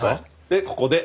でここで。